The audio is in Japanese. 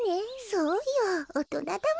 そうよおとなだもんね。